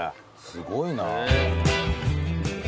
すごいな。